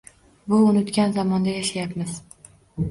Bu unutgan zamonda yashayapmiz.